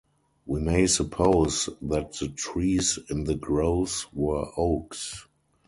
We may suppose that the trees in the groves were oaks.